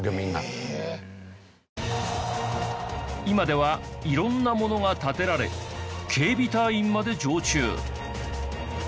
今では色んなものが建てられ警備隊員まで常駐。